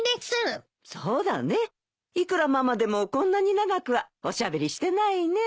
いくらママでもこんなに長くはおしゃべりしてないね。